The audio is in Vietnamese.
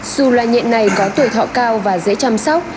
dù loài nghiện này có tuổi thọ cao và dễ chăm sóc